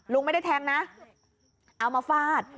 ลุงไม่ได้แทงนะเอามาฟาด